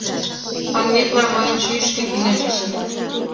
Манметла, мыйын шӱйышкӧ кӱзен шичнет!..